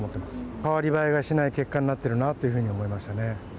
代わり映えがしない結果になっているなと思いましたね。